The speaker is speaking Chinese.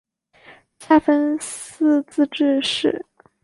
下分四自治市。